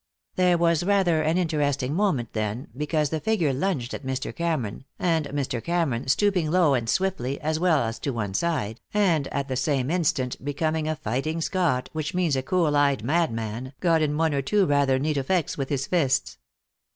There was rather an interesting moment then, because the figure lunged at Mr. Cameron, and Mr. Cameron, stooping low and swiftly, as well as to one side, and at the same instant becoming a fighting Scot, which means a cool eyed madman, got in one or two rather neat effects with his fists.